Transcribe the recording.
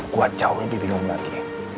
kuat jauh lebih bingung lagi